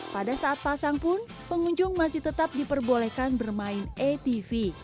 pada saat pasang pun pengunjung masih tetap diperbolehkan bermain atv